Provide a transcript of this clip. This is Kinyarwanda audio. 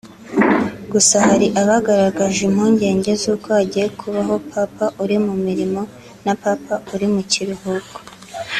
Gusa hari abagaragaje impungenge z’uko hagiye kubaho Papa uri mu mirimo na Papa uri mu kiruhuko